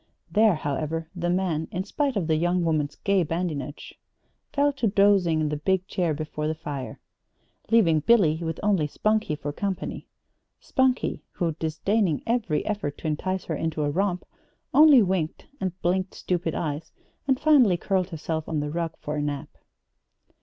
There, however, the man, in spite of the young woman's gay badinage, fell to dozing in the big chair before the fire, leaving Billy with only Spunkie for company Spunkie, who, disdaining every effort to entice her into a romp, only winked and blinked stupid eyes, and finally curled herself on the rug for a nap.